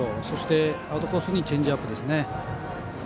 そして、アウトコースにチェンジアップですね。